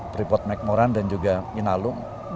pripot mac moran dan juga inalung